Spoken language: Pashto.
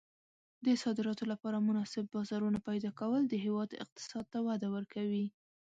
د صادراتو لپاره مناسب بازارونه پیدا کول د هېواد اقتصاد ته وده ورکوي.